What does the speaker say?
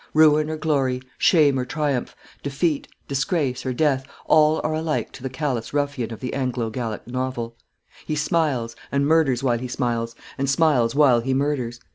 Ruin or glory, shame or triumph, defeat, disgrace, or death, all are alike to the callous ruffian of the Anglo Gallic novel. He smiles, and murders while he smiles, and smiles while he murders.